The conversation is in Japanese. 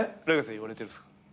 ライガーさん言われてるんですか？